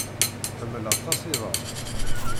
Tḥemmel aṭas iḍan.